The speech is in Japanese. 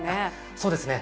そうですね。